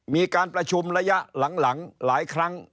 มีการประชุมระยะหลังหลายครั้ง